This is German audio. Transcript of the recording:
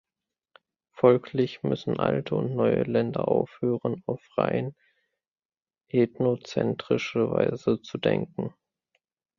Folglich müssen alte und neue Länder aufhören, auf rein ethnozentrische Weise zu denken.